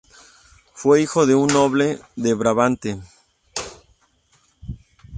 Fue hijo de un noble de Brabante.